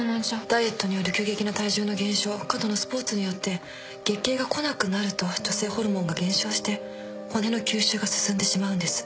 ダイエットによる急激な体重の減少過度のスポーツによって月経が来なくなると女性ホルモンが減少して骨の吸収が進んでしまうんです。